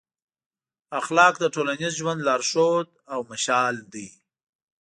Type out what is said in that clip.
اخلاق د ټولنیز ژوند لارښود او مشال دی.